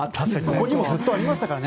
ここにもずっとありましたからね。